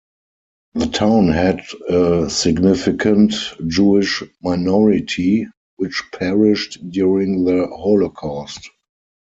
The town had a significant Jewish minority, which perished during the Holocaust.